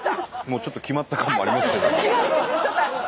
もうちょっと決まった感もありますけども。